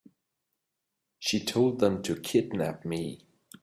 She told them to kidnap me.